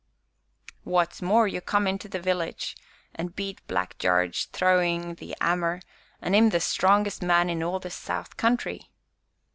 "What's more, you come into the village an' beat Black Jarge throwin' th' 'ammer, an' 'im the strongest man in all the South Country!"